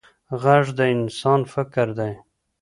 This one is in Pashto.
غږ د انسان فکر دی